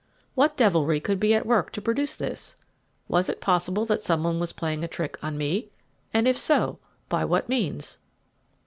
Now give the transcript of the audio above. What devilry could be at work to produce this? Was it possible that some one was playing a trick on me? and if so, by what means?